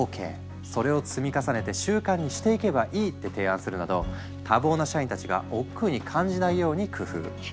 それを積み重ねて習慣にしていけばいい」って提案するなど多忙な社員たちがおっくうに感じないように工夫。